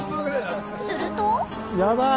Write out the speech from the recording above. すると。